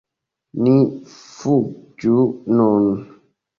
Ni fuĝu nun!